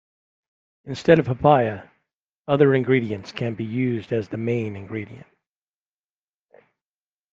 Instead of papaya, other ingredients can be used as the main ingredient.